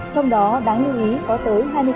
trong đó đáng lưu ý có tới hai mươi